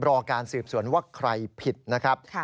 รอการสืบสวนว่าใครผิดนะครับ